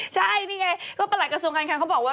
ใช่นี่ไงก็ประหลักกระทรวงการคังเขาบอกว่า